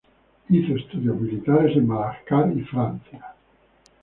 Hizo estudios militares en Madagascar y Francia.